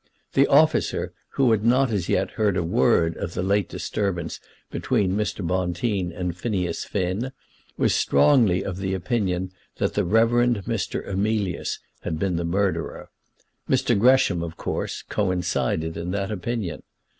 The officer, who had not as yet heard a word of the late disturbance between Mr. Bonteen and Phineas Finn, was strongly of opinion that the Reverend Mr. Emilius had been the murderer. Mr. Gresham, of course, coincided in that opinion.